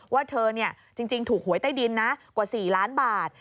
ว่าเธอจริงถูกหวยใต้ดินนะกว่า๔ล้านบาท